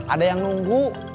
ada yang nunggu